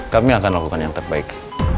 kami akan lakukan yang terbaik